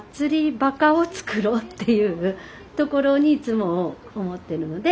バカをつくろうっていうところにいつも思ってるので。